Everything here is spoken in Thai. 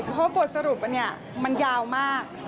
เพราะบทสรุปอันนี้มันยาวมาก